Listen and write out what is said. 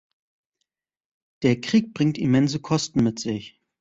Der Krieg bringt immense Kosten mit sich.